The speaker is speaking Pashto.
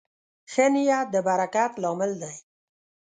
ښه نیت د برکت لامل دی.